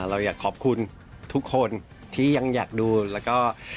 เราอยากขอบคุณทุกคนที่ยังอยากดูแล้วก็